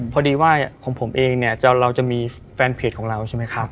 พอดีว่าของผมเองเนี่ยเราจะมีแฟนเพจของเราใช่ไหมครับ